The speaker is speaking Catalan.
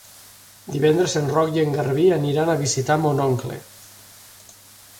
Divendres en Roc i en Garbí aniran a visitar mon oncle.